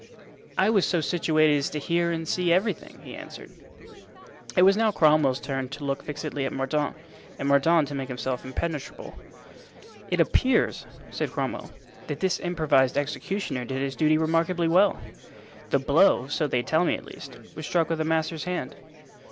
"I was so situated as to hear and see everything," he answered. It was now Cromwell's turn to look fixedly at Mordaunt, and Mordaunt to make himself impenetrable. "It appears," said Cromwell, "that this improvised executioner did his duty remarkably well. The blow, so they tell me at least, was struck with a master's hand."